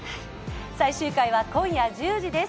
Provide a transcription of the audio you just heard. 最終回は今夜１０時です。